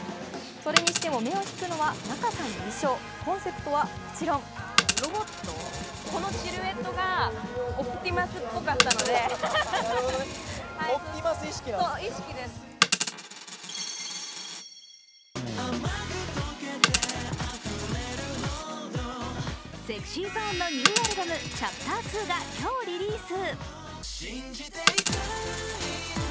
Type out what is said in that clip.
それにしても目を引くのは仲さんの衣装、コンセプトはもちろんＳｅｘｙＺｏｎｅのニューアルバム「ＣｈａｐｔｅｒⅡ」が今日リリース。